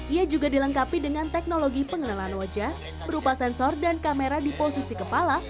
ia juga dilengkapi dengan teknologi pengenalan wajah berupa sensor dan kamera di posisi kepala